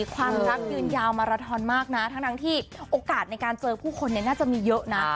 ความรักยืนยาวมาราทอนมากนะทั้งที่โอกาสในการเจอผู้คนน่าจะมีเยอะนะ